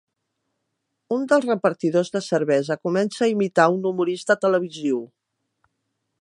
Un dels repartidors de cervesa comença a imitar un humorista televisiu.